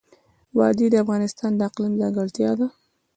وادي د افغانستان د اقلیم ځانګړتیا ده.